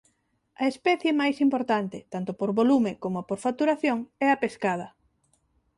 A especie máis importante tanto por volume como por facturación é a pescada.